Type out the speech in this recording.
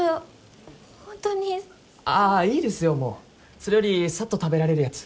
それよりさっと食べられるやつ。